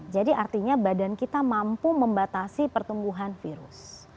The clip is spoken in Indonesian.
artinya badan kita mampu membatasi pertumbuhan virus